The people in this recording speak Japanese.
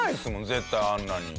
絶対あんなに。